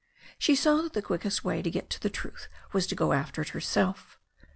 She saw that the quickest way to get the truth was to go after it herself.